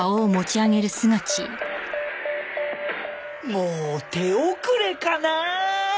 もう手遅れかな？